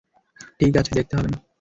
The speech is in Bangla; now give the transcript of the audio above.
ঠিক আছে, দেখতে হবে না।